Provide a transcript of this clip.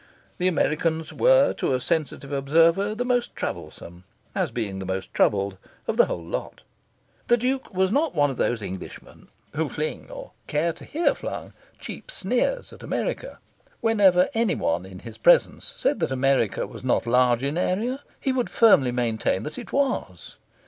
The Americans were, to a sensitive observer, the most troublesome as being the most troubled of the whole lot. The Duke was not one of those Englishmen who fling, or care to hear flung, cheap sneers at America. Whenever any one in his presence said that America was not large in area, he would firmly maintain that it was.